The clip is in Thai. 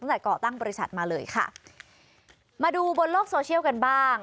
ก่อตั้งบริษัทมาเลยค่ะมาดูบนโลกโซเชียลกันบ้าง